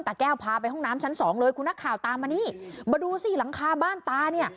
แก้วพาไปห้องน้ำชั้นสองเลยคุณนักข่าวตามมานี่มาดูสิหลังคาบ้านตาเนี่ย